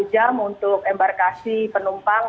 satu jam untuk embarkasi penumpang